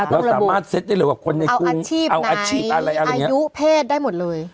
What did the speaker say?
เราสามารถเซ็ตนี่กับคนในผู้เอาอาชีพนั้นอายุผิดได้หมดเลย